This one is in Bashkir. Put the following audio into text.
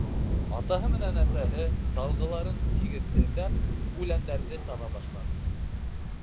Атаһы менән әсәһе, салғыларын тигеҙ һелтәп, үләндәрҙе саба башланы.